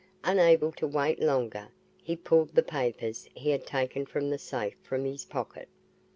Unable to wait longer he pulled the papers he had taken from the safe from his pocket.